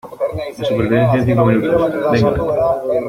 de supervivencia en cinco minutos. venga .